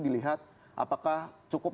dilihat apakah cukup